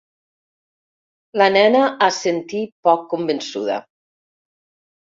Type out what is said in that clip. La nena assentí poc convençuda.